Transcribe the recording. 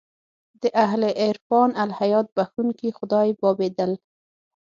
د اهل عرفان الهیات بخښونکی خدای بابېدل.